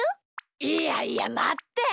いやいやまって！